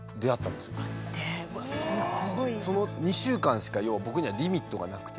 その２週間しか要は僕にはリミットがなくて。